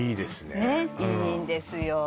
ねっいいんですよ